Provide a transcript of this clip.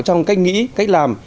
trong cách nghĩ cách làm